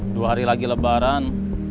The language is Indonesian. dua hari lagi lebaran